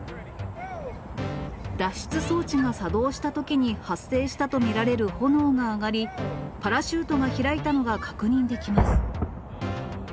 脱出装置が作動したときに発生したと見られる炎が上がり、パラシュートが開いたのが確認できます。